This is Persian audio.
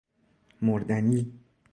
مردنی